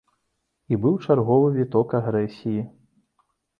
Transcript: І быў чарговы віток агрэсіі.